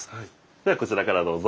じゃあこちらからどうぞ。